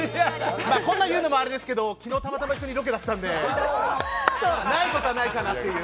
こんな言うのもあれですけど昨日たまたま一緒だったので、ないことはないかなっていう。